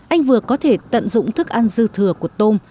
anh vừa có thể tận dụng thức ăn dư thừa của tôm